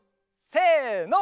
せの。